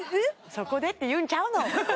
そこでって言うんちゃうの？